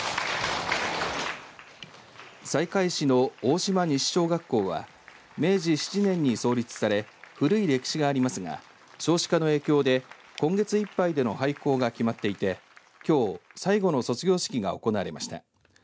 西海市の大島西小学校は明治７年に創立され古い歴史がありますが少子化の影響で今月いっぱいでの廃校が決まっていてきょう最後の卒業式が行われました。